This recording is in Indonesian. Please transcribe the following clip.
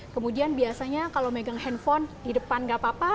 kemudian biasanya kalau megang handphone di depan gak apa apa